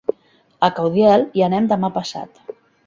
A Caudiel hi anem demà passat.